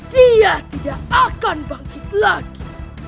dia tidak akan bangkit lagi